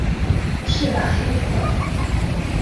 翅膀黑色。